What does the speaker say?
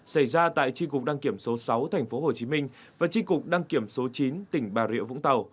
xảy ra tại tri cục đăng kiểm số sáu tp hcm và tri cục đăng kiểm số chín tỉnh bà rịa vũng tàu